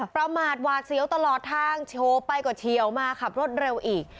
ประมาทหวาดเสียวตลอดทางโชว์ไปก็เฉียวมาขับรถเร็วอีก